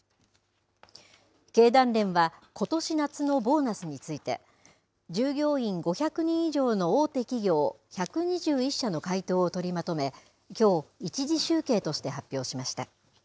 経団連はことし夏のボーナスについて従業員５００人以上の大手企業１２１社の回答を取りまとめきょう、１次集計として発表しました。